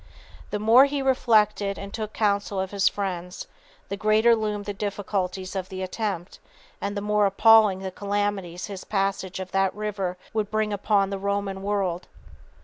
The more he reflected and took counsel of his friends, the greater loomed the difficulties of the attempt and the more appalling the calamities his passage of that river would bring upon the Roman world.